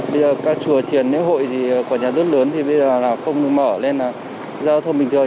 bây giờ các chùa triển nếp hội thì quả nhà rất lớn thì bây giờ là không được mở lên là giao thông bình thường